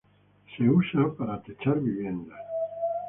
Se la usa para techar viviendas.